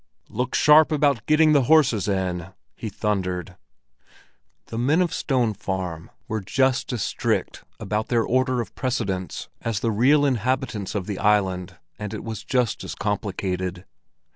"Look sharp about getting the horses in!" he thundered. The men of Stone Farm were just as strict about their order of precedence as the real inhabitants of the island, and it was just as complicated.